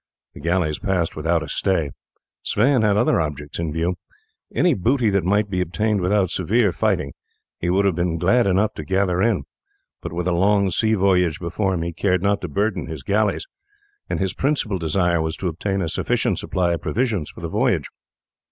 The galleys passed without a stay. Sweyn had other objects in view. Any booty that might be obtained without severe fighting he would have been glad enough to gather in; but with a long sea voyage before him he cared not to burden his galleys, and his principal desire was to obtain a sufficient supply of provisions for the voyage.